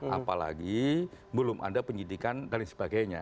apalagi belum ada penyidikan dan sebagainya